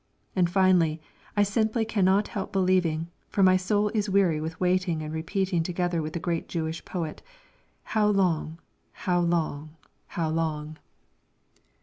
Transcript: And finally, I simply cannot help believing, for my soul is weary with waiting and repeating together with the great Jewish poet: "How long, how long, how long?"